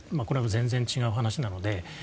これは全然違う話なので。